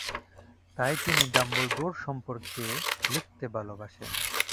তাই তিনি ডাম্বলডোর সম্পর্কে লিখতে ভালবাসেন।